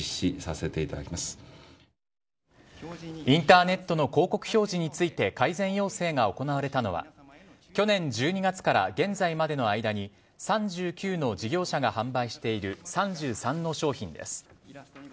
インターネットの広告表示について改善要請が行われたのは去年１２月から現在までの間に３９の事業者が販売している３３の商品です。